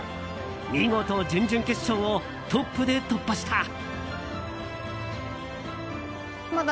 見事、準々決勝をトップで突破した。